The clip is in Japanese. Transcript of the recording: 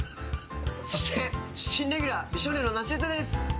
そして新レギュラー美少年の那須雄登です！